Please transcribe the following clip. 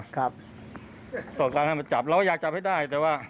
ต้องการให้มาจับเราก็อยากจับให้ได้แต่ว่า